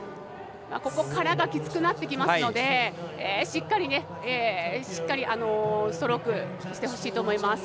ここからがきつくなってきますのでしっかりねしっかりストロークしてほしいと思います。